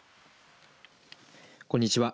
こんにちは。